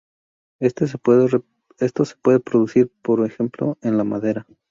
Esto se puede producir por ejemplo en la madera.